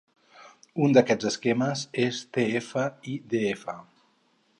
Un d'aquests esquemes és tf-idf.